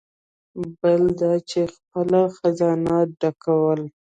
بل دا چې خپله خزانه یې ډکول.